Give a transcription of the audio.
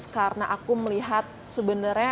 karena aku melihat sebenarnya